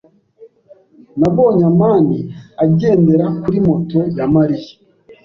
Nabonye amani agendera kuri moto ya Mariya.